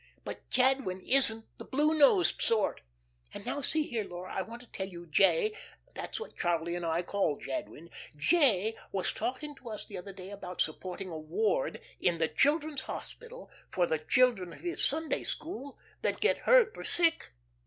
But Jadwin isn't the blue nosed sort. And now see here, Laura, I want to tell you. J. that's what Charlie and I call Jadwin J. was talking to us the other day about supporting a ward in the Children's Hospital for the children of his Sunday school that get hurt or sick.